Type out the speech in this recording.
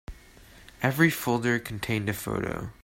Every folder contained a photo.